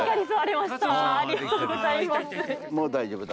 もう大丈夫だ。